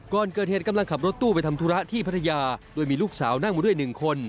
ก่อนเกิดเหตุกำลังขับรถตู้ไปทำธุระที่พัทยาโดยมีลูกสาวนั่งมาด้วยหนึ่งคน